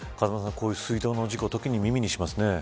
こういった水道の事故、耳にしますね。